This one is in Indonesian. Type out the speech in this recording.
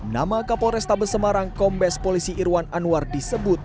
nama kapolres tabes semarang kombes polisi irwan anwar disebut